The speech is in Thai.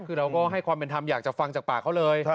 คือเราก็ให้ความเป็นธรรมอยากจะฟังจากปากเขาเลย